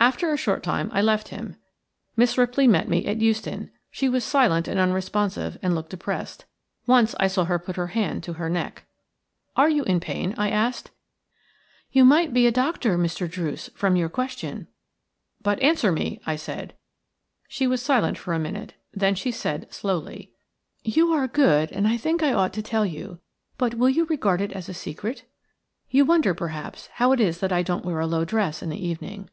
After a short time I left him. Miss Ripley met me at Euston. She was silent and unresponsive and looked depressed. Once I saw her put her hand to her neck. "Are you in pain?" I asked. "You might be a doctor, Mr. Druce, from your question." "But answer me," I said. She was silent for a minute; then she said, slowly:– "You are good, and I think I ought to tell you. But will you regard it as a secret? You wonder, perhaps, how it is that I don't wear a low dress in the evening.